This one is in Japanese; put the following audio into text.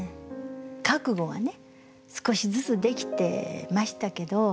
覚悟はね少しずつできてましたけど